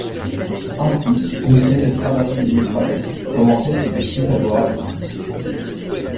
Ainsi finissait cette traversée de l’Australie, commencée sous de si favorables auspices.